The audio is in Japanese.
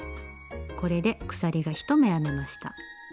これで鎖が１目編めました。